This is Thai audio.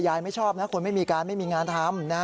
ไม่ชอบนะคนไม่มีการไม่มีงานทำ